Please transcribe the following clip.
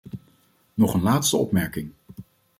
Nog een laatste opmerking.